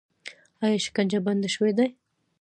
آیا شکنجه بنده شوې ده؟